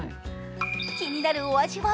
気になるお味は？